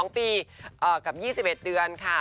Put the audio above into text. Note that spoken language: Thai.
๒ปีกับ๒๑เดือนค่ะ